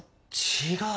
違う。